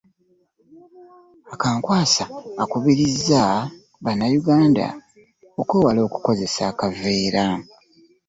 Akankwasa akubirizza bannayuganda okwewala okukozesa akaveera.